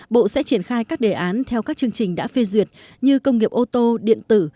bộ sẽ triển khai các đề án theo các chương trình đã phê duyệt như công nghiệp ô tô điện tử